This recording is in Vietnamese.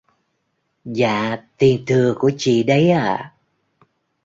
dạ tiền thừa của chị đấy ạ